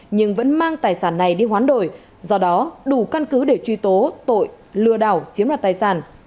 nhưng vẫn mang tài sản này đi hoán đổi do đó đủ căn cứ để truy tố tội lừa đảo chiếm đoạt tài sản